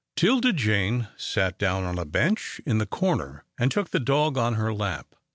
'Tilda Jane sat down on a bench in the corner and took the dog on her lap.